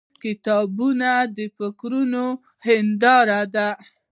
• کتابونه د فکرونو هنداره ده.